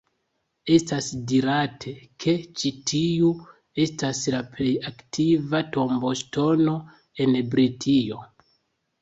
Estas dirate, ke ĉi tiu estas la plej antikva tomboŝtono en Britio.